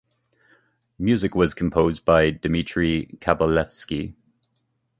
Music was composed by Dmitry Kabalevsky.